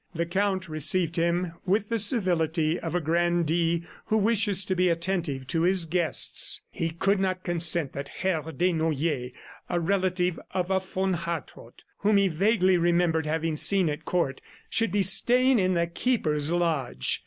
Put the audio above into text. The Count received him with the civility of a grandee who wishes to be attentive to his guests. He could not consent that HERR Desnoyers a relative of a von Hartrott whom he vaguely remembered having seen at Court, should be staying in the Keeper's lodge.